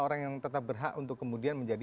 orang yang tetap berhak untuk kemudian menjadi